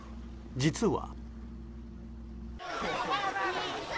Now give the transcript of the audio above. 実は。